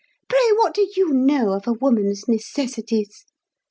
Pray, what do you know of a woman's necessities?